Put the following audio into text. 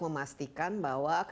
terima kasih banyak